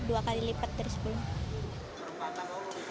dua kali lipat dari sepuluh